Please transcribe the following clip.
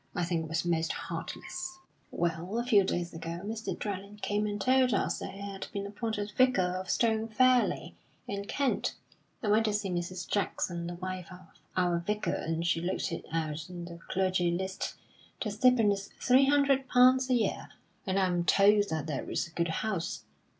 I think it was most heartless. "Well, a few days ago, Mr. Dryland came and told us that he had been appointed vicar of Stone Fairley, in Kent. I went to see Mrs. Jackson, the wife of our Vicar, and she looked it out in the clergy list. The stipend is £300 a year, and I am told that there is a good house.